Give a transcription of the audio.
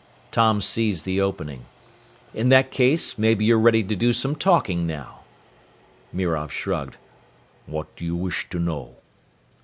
Tom seized the opening. "In that case, maybe you're ready to do some talking now." Mirov shrugged. "What do you wish to know?"